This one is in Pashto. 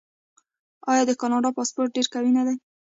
آیا د کاناډا پاسپورت ډیر قوي نه دی؟